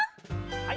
はい！